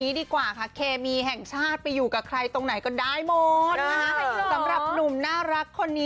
วันนี้ดีกว่าคะเขมีแห่งชาติไปอยู่กับใครตรงไหนก็ได้หมด